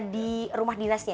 di rumah dinasnya